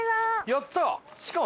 やった！